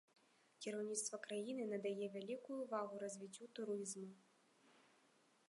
Кіраўніцтва краіны надае вялікую ўвагу развіццю турызму.